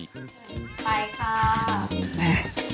ไปค่ะ